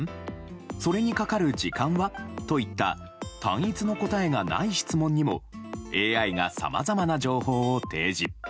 それにかかる時間は？といった単一の答えがない質問にもＡＩがさまざまな情報を提示。